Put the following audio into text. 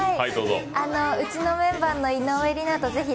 うちのメンバーの井上梨名とぜひ